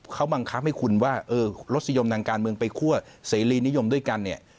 เขาบังคับให้คุณว่ารสนิยมทางการเมืองไปคั่วเสรีนิยมด้วยกันเนี่ย